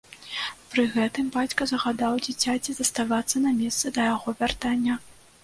Пры гэтым бацька загадаў дзіцяці заставацца на месцы да яго вяртання.